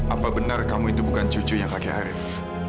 apa benar kamu itu bukan cucunya kakek arief